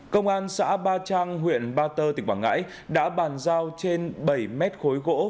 công an xã ba trang huyện ba tơ tỉnh quảng ngãi đã bàn giao trên bảy mét khối gỗ